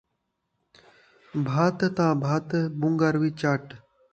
بھت تاں بھت، منگر وی چٹ